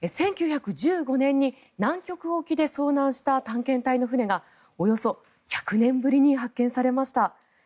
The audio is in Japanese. １９１５年に南極沖で遭難した探検隊の船がおよそ１００年ぶりに発見されました。